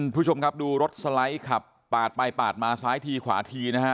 คุณผู้ชมครับดูรถสไลด์ขับปาดไปปาดมาซ้ายทีขวาทีนะฮะ